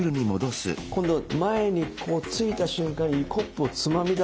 今度前にこうついた瞬間にコップをつまみ出すんです。